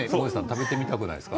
食べてみたくないですか？